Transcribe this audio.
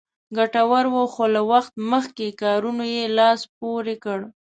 ګټورو خو له وخت مخکې کارونو یې لاس پورې کړ.